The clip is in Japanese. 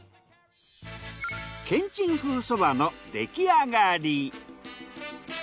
けんちん風そばの出来上がり。